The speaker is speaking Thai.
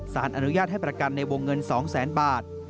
สารอนุญาตให้ประกันในวงเงิน๒แสนบาท